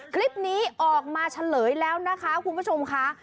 คลิปนี้ออกมาเฉลยแล้วนะคะคุณผู้ชมค่ะ